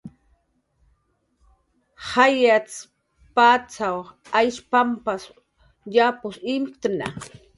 "Jaysat"" pachaw Aysh pamp yapus imktna"